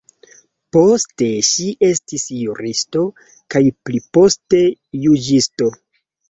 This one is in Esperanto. Poste ŝi estis juristo kaj pliposte juĝisto.